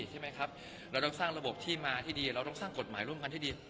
ใช่ไหมครับเราต้องสร้างระบบที่มาที่ดีเราต้องสร้างกฎหมายร่วมกันที่ดี